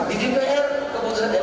ini lagi dikuasai oleh ini